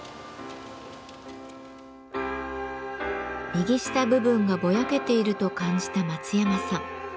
右下部分がぼやけていると感じた松山さん。